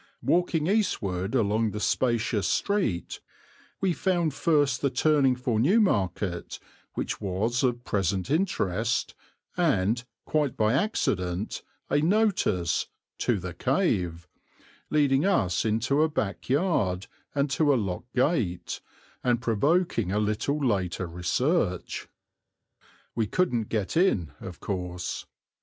Walking eastward along the spacious street we found first the turning for Newmarket, which was of present interest, and, quite by accident, a notice "To the cave," leading us into a back yard and to a locked gate, and provoking a little later research. We couldn't get in, of course.